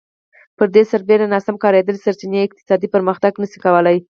پر دې سربېره ناسم کارېدلې سرچینې اقتصادي پرمختګ نه شي کولای